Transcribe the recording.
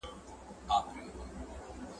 د زمري په اندېښنې وو پوهېدلی !.